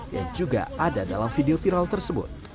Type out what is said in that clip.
yang juga ada dalam video viral tersebut